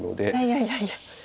いやいやいやいや。